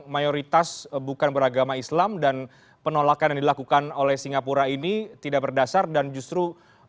mayoritas bukan beragama islam dan penolakan yang dilakukan oleh singapura ini tidak berdasar dan justru